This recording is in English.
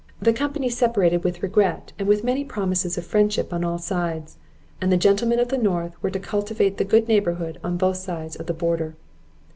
The company separated with regret, and with many promises of friendship on all sides; and the gentlemen of the North were to cultivate the good neighbourhood on both sides of the borders.